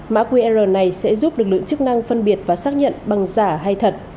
mã qr này sẽ giúp lực lượng chức năng phân biệt và xác nhận bằng giả hay thật